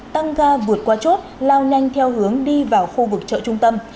tăng ga vượt qua chốt lao nhanh theo hướng đi vào khu vực chợ trung tâm